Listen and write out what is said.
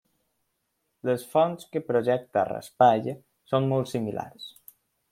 Les fonts que projecta Raspall són molt similars.